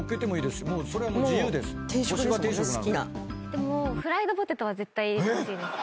でもフライドポテトは絶対欲しいです。